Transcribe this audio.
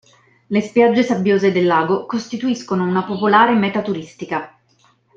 Le spiagge sabbiose del lago costituiscono una popolare meta turistica.